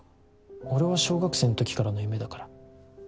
俺は小学生の時からの夢だから。